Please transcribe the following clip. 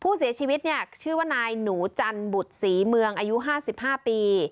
ผู้เสียชีวิตเนี่ยชื่อว่านายหนูจันบุตรศรีเมืองอายุ๕๕ปี